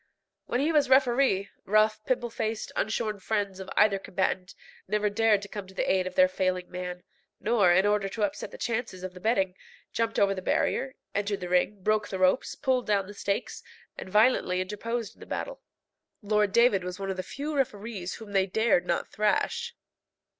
When he was referee, rough, pimple faced, unshorn friends of either combatant never dared to come to the aid of their failing man, nor, in order to upset the chances of the betting, jumped over the barrier, entered the ring, broke the ropes, pulled down the stakes, and violently interposed in the battle. Lord David was one of the few referees whom they dared not thrash.